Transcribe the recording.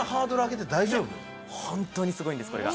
ホントにすごいんですこれが。